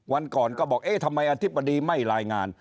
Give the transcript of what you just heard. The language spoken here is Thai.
วันก่อนก็บอกเอ๊ะทำไมอธิบดีไม่รายงาน